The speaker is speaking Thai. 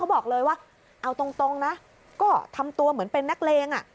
บอกเลยว่าเอาตรงนะก็ทำตัวเหมือนเป็นนักเลงอ่ะ